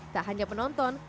tak hanya penonton